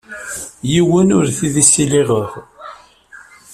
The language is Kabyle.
Yiwen ur t-id-ssiliɣeɣ.